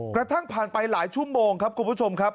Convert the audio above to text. กระทั่งผ่านไปหลายชั่วโมงครับคุณผู้ชมครับ